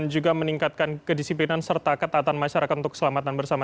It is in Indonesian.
dan juga meningkatkan kedisiplinan serta ketatan masyarakat untuk keselamatan bersama